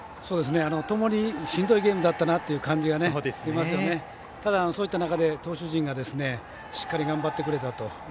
ともにしんどいゲームだったという感じがしますが、投手陣がしっかり頑張ってくれたと。